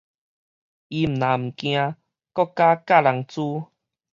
伊毋但毋驚，閣敢佮人㧣